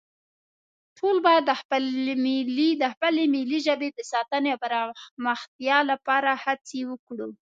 ټول باید د خپلې ملي ژبې د ساتنې او پرمختیا لپاره هڅې وکړو